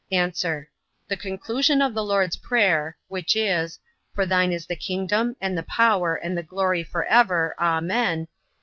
A. The conclusion of the Lord's prayer (which is, For thine is the kingdom, and the power, and the glory, forever. Amen.)